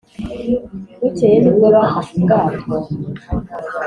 bukeye nibwo bafashe ubwato